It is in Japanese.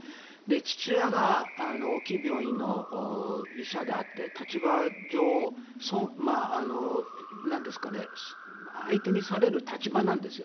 父親が大きい病院の医者であって立場上相手にされる立場なんですよ